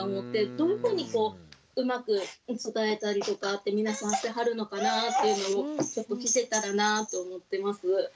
どういうふうにこううまく伝えたりとかって皆さんしてはるのかなっていうのをちょっと聞けたらなと思ってます。